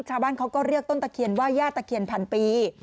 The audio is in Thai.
ชาวบ้านเขาก็เรียกต้นตะเคียนว่าย่าตะเคียนพันปี